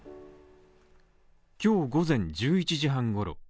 今日午前１１時半ごろ。